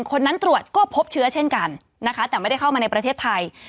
คนนั้นตรวจก็พบเชื้อเช่นกันนะคะแต่ไม่ได้เข้ามาในประเทศไทย